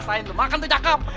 rasain tuh makan tuh cakep